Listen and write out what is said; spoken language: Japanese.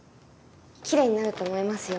きれいになると思いますよ。